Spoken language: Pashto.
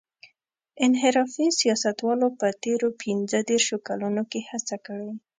انحرافي سیاستوالو په تېرو پينځه دېرشو کلونو کې هڅه کړې.